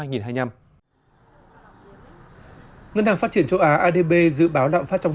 ngân hàng phát triển châu á adb dự báo lạm phát trong